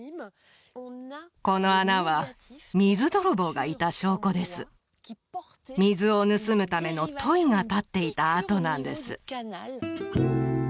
この穴は水泥棒がいた証拠です水を盗むための樋が立っていた跡なんです